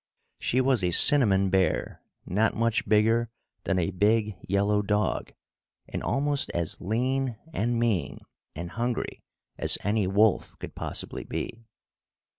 She was a cinnamon bear, not much bigger than a big, yellow dog, and almost as lean and mean and hungry as any wolf could possibly be.